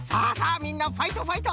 みんなファイトファイト！